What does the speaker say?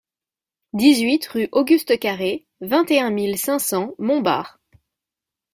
dix-huit rue Auguste Carré, vingt et un mille cinq cents Montbard